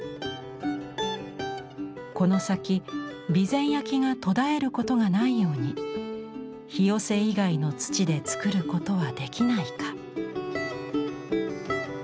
この先備前焼が途絶えることがないように「ひよせ」以外の土で作ることはできないか？